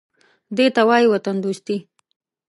_دې ته وايي وطندوستي.